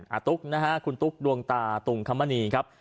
ตุ๊กนะฮะคุณตุ๊กดวงตาตุงคมณีครับ